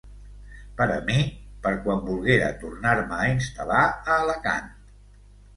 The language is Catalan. Per a mi, per quan volguera tornar-me a instal·lar a Alacant.